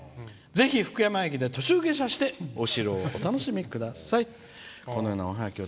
ぜひ、途中下車してお城をお楽しみください」。